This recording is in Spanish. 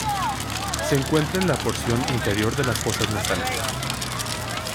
Se encuentra en la porción inferior de las fosas nasales.